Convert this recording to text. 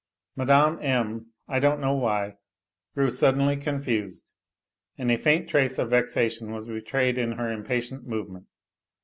Mme. M., I don't know why, grew suddenly confused, and a faint trace of vexation was betrayed in her impatient movement.